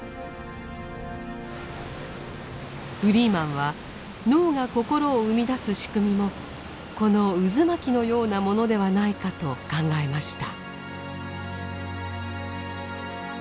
フリーマンは脳が心を生み出す仕組みもこの渦巻きのようなものではないかと考えました。